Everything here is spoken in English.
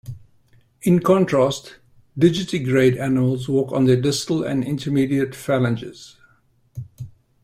In contrast, digitigrade animals walk on their distal and intermediate phalanges.